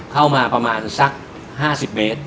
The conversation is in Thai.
เข้ามาประมาณสัก๕๐เมตร